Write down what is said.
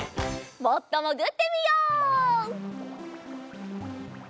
もっともぐってみよう。